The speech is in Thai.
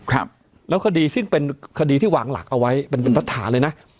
แล้วคดีซึ่งวางหลักเอาไว้เป็นตัดฐานเลยนะ